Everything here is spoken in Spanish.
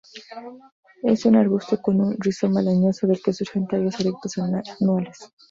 Es un arbusto con un rizoma leñoso del que surgen tallos erectos anuales.